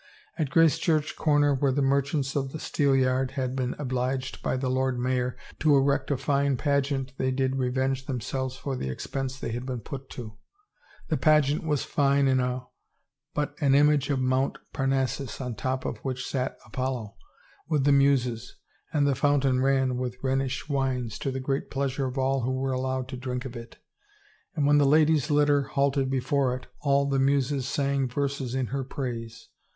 At Gracechurch corner where the merchants of the Steelyard had been obliged by the Lord Mayor to erect a fine pageant they did revenge themselves for the expense they had been put to. The pageant was fine enow, an image of Mount Parnassus, on the top of which sat Apollo with the Muses, and the fountain ran with Rhenish wines to the great pleasure of all who were allowed to drink of it, and when the lady's litter halted before it, all the Muses sang verses in her praise.